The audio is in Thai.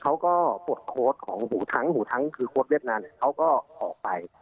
ปลดโค้ดของหูทั้งหูทั้งคือโค้ดเวียดนามเขาก็ออกไป